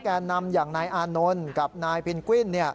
แก่นำอย่างนายอานนท์กับนายเพนกวิน